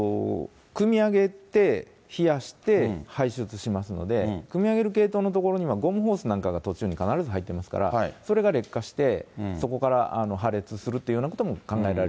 くみあげて、冷やして排出しますので、くみ上げる系統の所にはゴムホースなんかが途中に必ず入ってますから、それが劣化して、そこから破裂するというようなことも考え